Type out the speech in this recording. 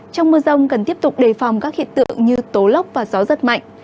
trong mưa rông cần tiếp tục đề phòng các hiện tượng như tố lốc và gió rất mạnh